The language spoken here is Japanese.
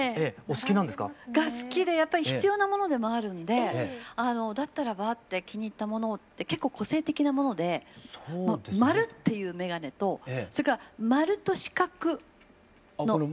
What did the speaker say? お好きなんですか？が好きで必要なものでもあるんでだったらば気に入ったものをって結構個性的なものでマルっていう眼鏡とそれからマルと四角の。